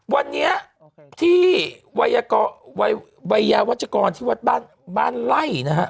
วันนี้ที่วัยยาวัชกรที่วัดบ้านไล่นะฮะ